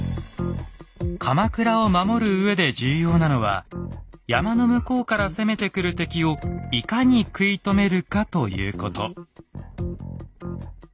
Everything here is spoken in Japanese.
鎌倉を守るうえで重要なのは山の向こうから攻めてくる敵をいかに食い止めるかということ。